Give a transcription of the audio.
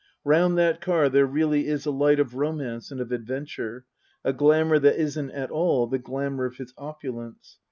Round that car there really is a light of romance and of adventure, a glamour that isn't at all the glamour of his opulence.